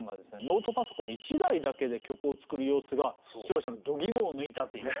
ノートパソコン１台だけで曲を作る様子が視聴者のドギモを抜いたという。